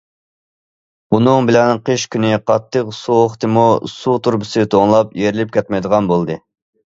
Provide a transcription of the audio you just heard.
بۇنىڭ بىلەن قىش كۈنى قاتتىق سوغۇقتىمۇ سۇ تۇرۇبىسى توڭلاپ يېرىلىپ كەتمەيدىغان بولدى.